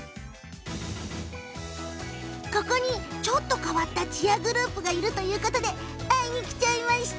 ここにちょっと変わったチアグループがいるということで会いに来ちゃいました。